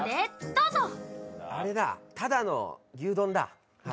何だ、あれだ、ただの牛丼だ。